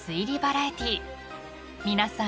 ［皆さん。